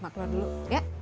mak keluar dulu ya